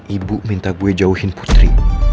ibu minta gue jauhin putri